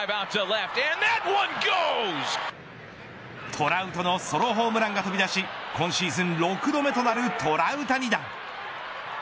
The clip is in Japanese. トラウトのソロホームランが飛び出し今シーズン６度目となるトラウタニ弾。